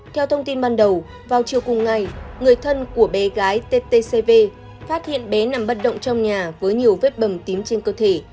theo thông tin ban đầu vào chiều cùng ngày người thân của bé gái ttcv phát hiện bé nằm bất động trong nhà với nhiều vết bầm tím trên cơ thể